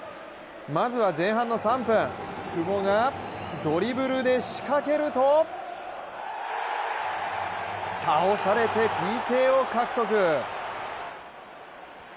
まずは前半の３分、久保がドリブルで仕掛けると倒されて、ＰＫを獲得。